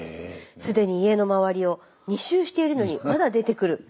既に家のまわりを２周しているのにまだ出てくる。